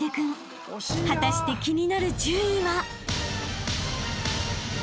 ［果たして気になる順位は？］